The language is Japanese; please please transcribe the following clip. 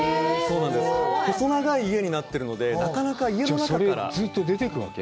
細長い家になってるのでなかなか家の中からそれずっと出てくわけ？